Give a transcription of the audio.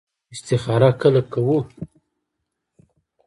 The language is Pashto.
استخاره کله کوو؟